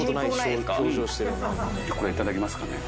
これいただきますかね。